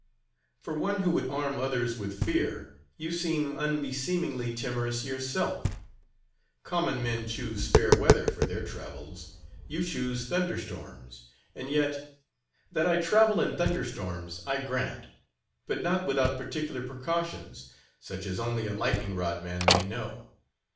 "For one who would arm others with fear you seem unbeseemingly timorous yourself. Common men choose fair weather for their travels: you choose thunder storms; and yet—" "That I travel in thunder storms, I grant; but not without particular precautions, such as only a lightning rod man may know.